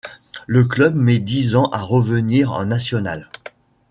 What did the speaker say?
Le club met dix ans à revenir en nationales.